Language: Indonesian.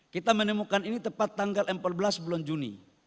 kita menemukan ini tepat tanggal empat belas bulan juni